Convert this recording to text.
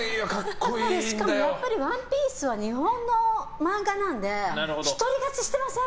しかも「ＯＮＥＰＩＥＣＥ」は日本の漫画なので独り勝ちしてません？